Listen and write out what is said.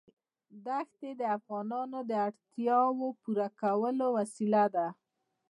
دښتې د افغانانو د اړتیاوو د پوره کولو وسیله ده.